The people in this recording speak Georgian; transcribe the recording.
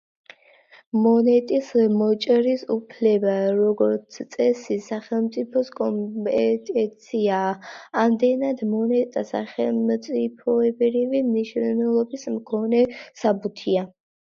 მონეტის მოჭრის უფლება, როგორც წესი, სახელმწიფოს კომპეტენციაა; ამდენად, მონეტა სახელმწიფოებრივი მნიშვნელობის მქონე საბუთია.